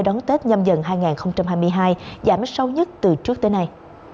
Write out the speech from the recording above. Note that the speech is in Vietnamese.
đón tết nhâm dần hai nghìn hai mươi hai giảm sâu nhất từ trước tới nay